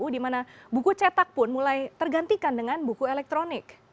di mana buku cetak pun mulai tergantikan dengan buku elektronik